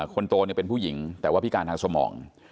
คนโตเป็นผู้หญิงแต่ว่าพิการทางสมอง